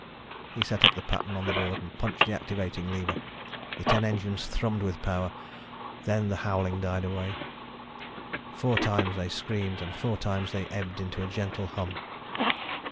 He set up the pattern on the board and punched the activating lever. The ten engines thrummed with power. Then the howling died away. Four times they screamed and four times they ebbed into a gentle hum.